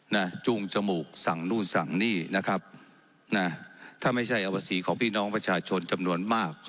จูงจมูกสั่งนู่นสั่งนี่นะครับนะถ้าไม่ใช่อวสีของพี่น้องประชาชนจำนวนมาก